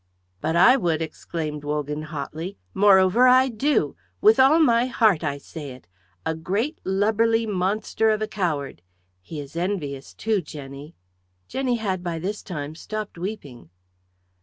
"But I would," exclaimed Wogan, hotly. "Moreover, I do. With all my heart I say it. A great lubberly monster of a coward. He is envious, too, Jenny." Jenny had by this time stopped weeping.